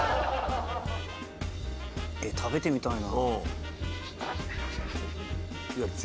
食べてみたいな。